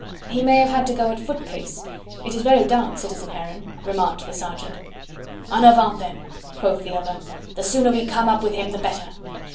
"He may have had to go at foot pace; it is very dark, citizen Heron," remarked the sergeant. "En avant, then," quoth the other; "the sooner we come up with him the better."